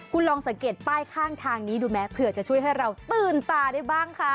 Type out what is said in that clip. คุณลองสังเกตป้ายข้างทางนี้ดูไหมเผื่อจะช่วยให้เราตื่นตาได้บ้างคะ